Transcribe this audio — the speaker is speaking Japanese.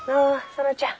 園ちゃん。